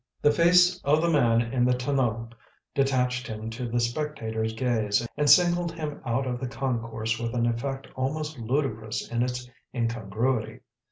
The face of the man in the tonneau detached him to the spectator's gaze and singled him out of the concourse with an effect almost ludicrous in its incongruity.